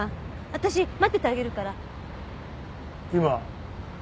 私待っててあげるから。